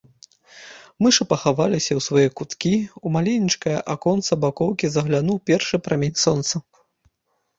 Мышы пахаваліся ў свае куткі, у маленечкае аконца бакоўкі заглянуў першы прамень сонца.